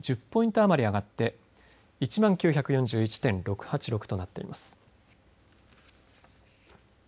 余り上がって１万９４１．６８６となっています。